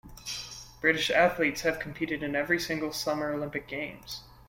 British athletes have competed in every single Summer Olympic Games.